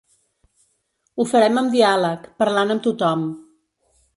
Ho farem amb diàleg, parlant amb tothom.